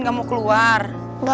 kamu mau keluar kamar